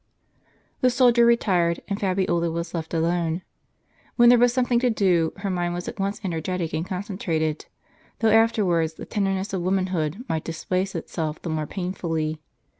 The soldier retired, and Fabiola was left alone. When there was something to do her mind was at once energetic and concentrated, though afterwards the tenderness of woman hood might display itself the more painfully.